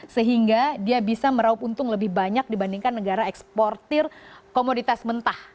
sehingga dia bisa meraup untung lebih banyak dibandingkan negara eksportir komoditas mentah